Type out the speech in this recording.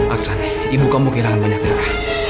aksan ibu kamu kehilangan banyak daerah